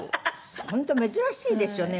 本当珍しいですよね